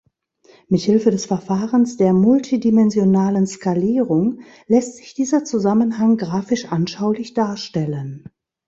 Mit Hilfe des Verfahrens der multidimensionalen Skalierung lässt sich dieser Zusammenhang grafisch anschaulich darstellen.